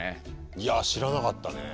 いやぁ知らなかったね。